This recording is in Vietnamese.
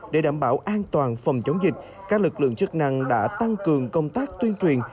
để đảm bảo an toàn phòng chống dịch các lực lượng chức năng đã tăng cường công tác tuyên truyền